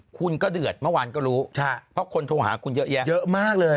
คุณก็เดือดเมื่อวานก็รู้เพราะคนโทรหาคุณเยอะแยะเยอะมากเลย